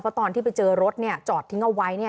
เพราะตอนที่ไปเจอรถจอดทิ้งเอาไว้